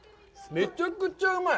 めちゃくちゃうまい！